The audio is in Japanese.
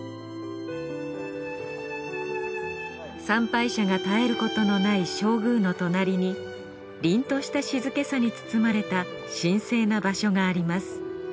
参拝者が絶えることのない正宮の隣に凛とした静けさに包まれた神聖な場所があります。